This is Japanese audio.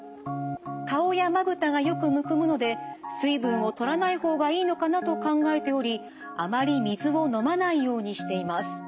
顔やまぶたがよくむくむので水分をとらない方がいいのかなと考えておりあまり水を飲まないようにしています。